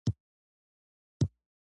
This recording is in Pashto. دا امکان په بشپړه توګه نشي رد کېدای.